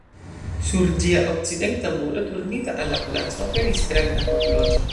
Sur ĝia okcidenta muro, turnita al la placo, aperis granda horloĝo.